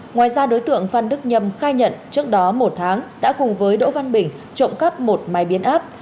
ngoài ra đối tượng phan đức nhâm khai nhận trước đó một tháng đã cùng với đỗ văn bình trộm cắp một máy biến áp